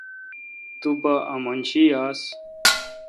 تو پا امنشی یاس۔